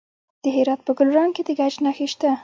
د هرات په ګلران کې د ګچ نښې شته.